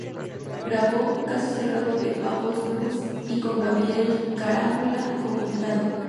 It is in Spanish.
Grabó "Caso Cerrado" de Pappo's Blues y con Gabriel Carámbula como invitado.